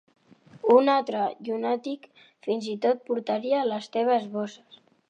Un altre llunàtic, fins i tot portaria les teves bosses.